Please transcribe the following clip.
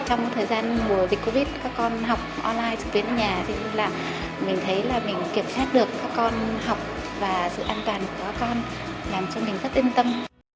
trong thời gian mùa dịch covid các con học online chụp tiến ở nhà thì mình thấy là mình kiểm soát được các con học và sự an toàn của các con làm cho mình rất yên tâm